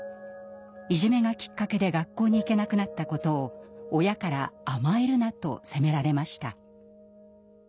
いじめがきっかけで学校に行けなくなったことを親から甘えるなと責められました。